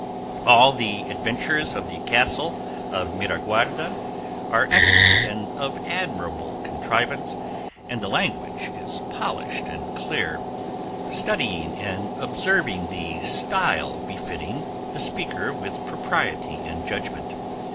All the adventures at the Castle of Miraguarda are excellent and of admirable contrivance, and the language is polished and clear, studying and observing the style befitting the speaker with propriety and judgment.